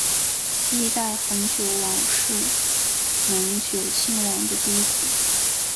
第一代恒久王是能久亲王的第一子。